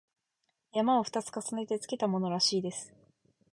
「山」を二つ重ねてつけたものらしいのです